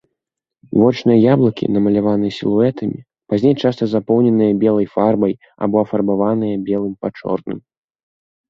Вочныя яблыкі намаляваныя сілуэтамі, пазней часта запоўненыя белай фарбай або афарбаваныя белым па чорным.